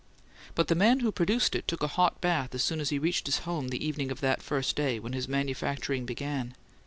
But the man who produced it took a hot bath as soon as he reached his home the evening of that first day when his manufacturing began.